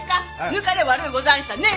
ぬかで悪うござんしたね。